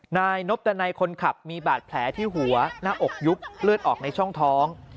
นายนบดันัยคนขับมีบาดแผลที่หัวหน้าอกยุบเลือดออกในช่องท้อง